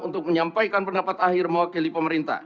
untuk menyampaikan pendapat akhir mewakili pemerintah